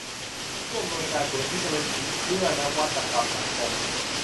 ผู้อำนวยการศูนย์เทคโนโลยีเพื่อนวัตกรรมสังคม